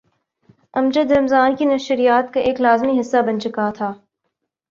امجد رمضان کی نشریات کا ایک لازمی حصہ بن چکا تھا۔